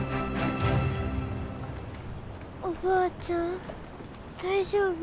おばあちゃん大丈夫？